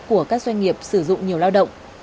của các doanh nghiệp sử dụng nhiều lao động